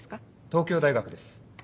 東京大学です。